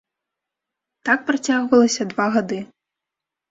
Так працягвалася два гады.